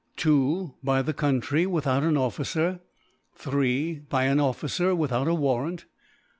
2. By the Country with out an OfSccr. 3. By an Officer without a Warrant.